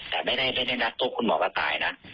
แต่ไม่ได้ได้นัดตบคุณหมอก็ตายนะ